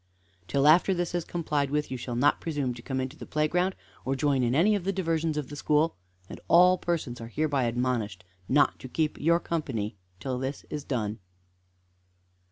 Till after this is complied with you shall not presume to come into the playground or join in any of the diversions of the school, and all persons are hereby admonished not to keep you company till this is done."